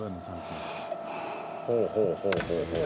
ほうほうほうほうほう。